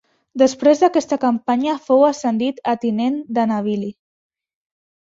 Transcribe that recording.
Després d'aquesta campanya fou ascendit a tinent de navili.